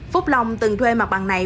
phúc long từng thuê mặt bằng này